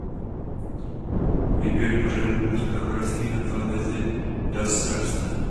Výběr pořadů a zpravodajství na televizi "Das Erste".